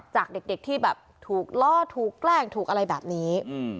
จากเด็กที่แบบถูกล่อถูกแกล้งถูกอะไรแบบนี้